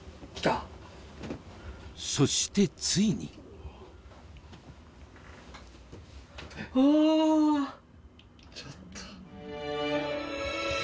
そしてついにちょっと。